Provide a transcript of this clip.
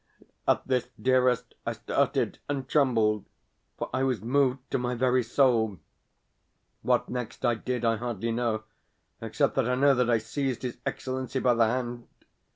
At this, dearest, I started and trembled, for I was moved to my very soul. What next I did I hardly know, except that I know that I seized his Excellency by the hand.